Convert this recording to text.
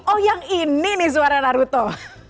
oh yang ini nih suara naruto